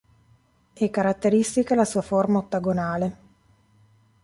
È caratteristica la sua forma ottagonale.